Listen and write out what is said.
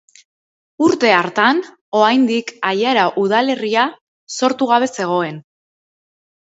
Urte hartan, oraindik Aiara udalerria sortu gabe zegoen.